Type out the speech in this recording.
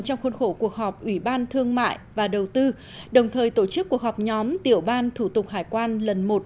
trong khuôn khổ cuộc họp ủy ban thương mại và đầu tư đồng thời tổ chức cuộc họp nhóm tiểu ban thủ tục hải quan lần một